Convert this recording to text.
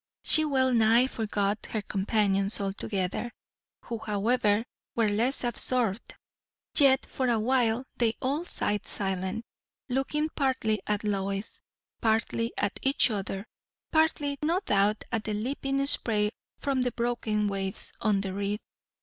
She well nigh forgot her companions altogether; who, however, were less absorbed. Yet for a while they all sat silent, looking partly at Lois, partly at each other, partly no doubt at the leaping spray from the broken waves on the reef.